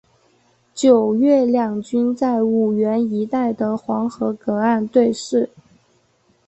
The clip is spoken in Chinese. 九月两军在五原一带的黄河隔岸对峙。